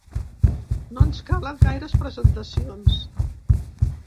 No ens calen gaires presentacions.